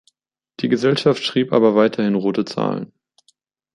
Die Gesellschaft schrieb aber weiterhin rote Zahlen.